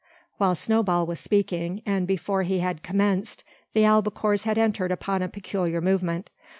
While Snowball was speaking, and before he had commenced, the albacores had entered upon a peculiar movement.